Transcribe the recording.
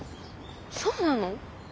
そうなの？